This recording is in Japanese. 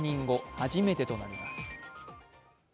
初めてとなります。